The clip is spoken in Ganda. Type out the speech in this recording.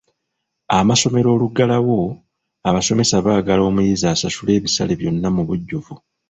Amasomero oluggulawo, abasomesa baagala omuyizi asasule ebisale byonna mu bujjuvu.